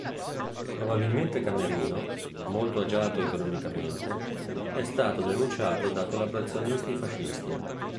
Probabilmente Camerino, molto agiato economicamente, è stato denunciato da collaborazionisti fascisti.